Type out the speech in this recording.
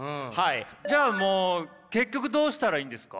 じゃあもう結局どうしたらいいんですか？